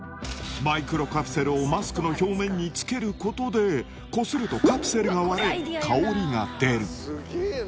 マイクロカプセルをマスクの表面に付けることで、こするとカプセルが割れ、香りが出る。